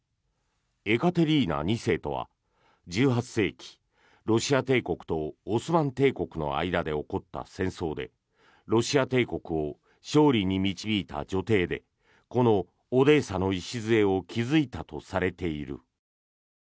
エカテリーナ２世とは１８世紀ロシア帝国とオスマン帝国の間で起こった戦争でロシア帝国を勝利に導いた女帝でこのオデーサの礎を築いたとされている。